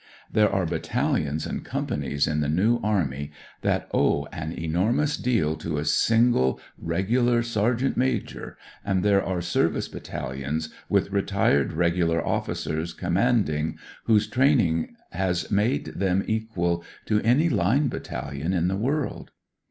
There are battalions and companies in the New Army that owe an enormous deal to a single Regular sergeant major, and there are Service battalions with retired Regular officers commanding, whose training has made them equal to any line battalion in the world.